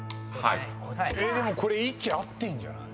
でも位置合ってんじゃない？